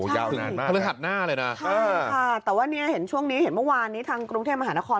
ยาวนานมากพฤหัสหน้าเลยนะแต่ว่าเนี่ยเห็นช่วงนี้เห็นเมื่อวานนี้ทางกรุงเทพมหานคร